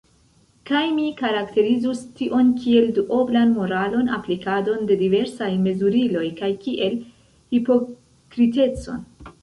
Kaj mi karakterizus tion kiel duoblan moralon, aplikadon de diversaj mezuriloj kaj kiel hipokritecon.